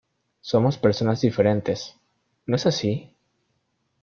Somos personas diferentes, ¿no es así?